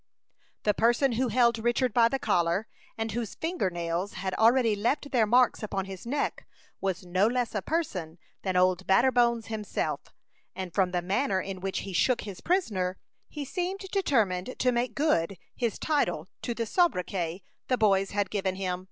] The person who held Richard by the collar, and whose finger nails had already left their marks upon his neck, was no less a person than "Old Batterbones" himself; and from the manner in which he shook his prisoner, he seemed determined to make good his title to the sobriquet the boys had given him.